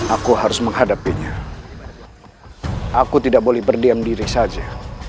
aku harus menghadapinya aku tidak boleh berdiam diri saja